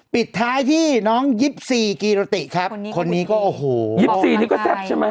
ปิดท้ายที่น้อง๒๔กีรติครับคนนี้ก็โอ้โห๒๔นี่ก็แซ่บใช่ไหม